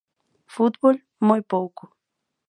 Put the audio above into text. Fútbol, moi pouco.